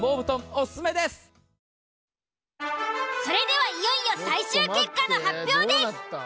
それではいよいよ最終結果の発表です。